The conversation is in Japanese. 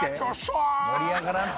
盛り上がらんて。